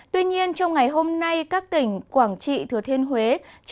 tuy nhiên trong ngày hôm nay các tỉnh quảng trị thừa thiên huế